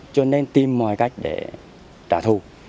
cho nên tìm mọi cách để trả thu